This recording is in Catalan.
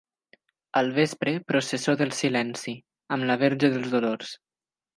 Al vespre, processó del Silenci, amb la Verge dels Dolors.